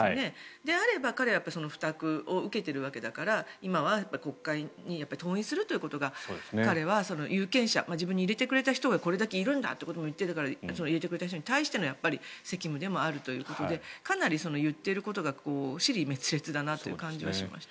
であれば彼は負託を受けているわけだから今は国会に登院するということが彼は有権者自分に入れてくれた人がこれだけいるんだということも言っているから入れてくれた人に対しての責務でもあるということでかなり言っていることが支離滅裂だなという感じはしました。